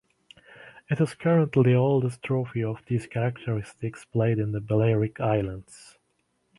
It is currently the oldest trophy of these characteristics played in the Balearic Islands.